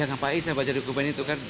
ya ngapain saya baca dokumen itu kan